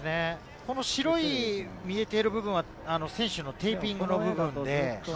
白い見えている部分は選手のテーピングの部分で。